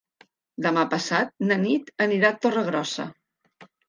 Demà passat na Nit anirà a Torregrossa.